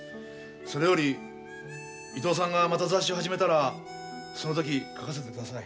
それより伊藤さんがまた雑誌を始めたらその時描かせて下さい。